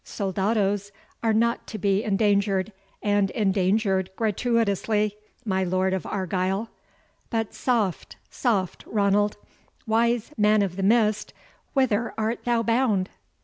Soldados are not to be endangered, and endangered gratuitously, my Lord of Argyle. But soft, soft, Ranald; wise Man of the Mist, whither art thou bound?"